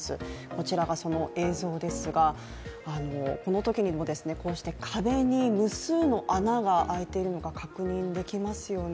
こちらがその映像ですが、このときにもこうして壁に無数の穴が開いているのが確認できますよね。